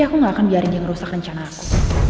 aku gak akan biarin dia merusak rencana aku